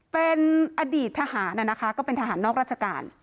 เป็นอดีตทหารนะคะก็เป็นทหารนอกราชการ